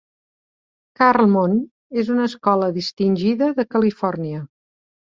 Carlmont és una escola distingida de Califòrnia.